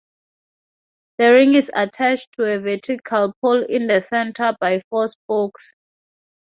The ring is attached to a vertical pole in the center by four spokes.